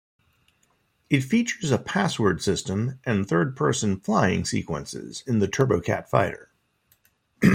It features a password system and third-person flying sequences in the Turbokat Fighter.